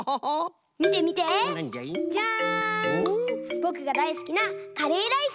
ぼくがだいすきなカレーライス！